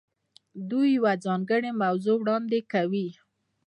دوی یوه ځانګړې موضوع وړاندې کوي.